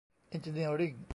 เอ็นจิเนียริ่ง